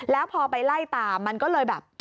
แล้วพอไปไล่ตามมันก็เลยแบบ